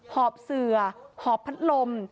หอบเสือหอบพัดลม